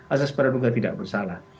asas para ruga tidak bersalah